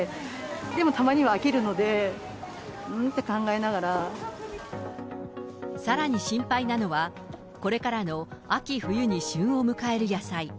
でもたまには飽きるので、うーんさらに心配なのは、これからの秋冬に旬を迎える野菜。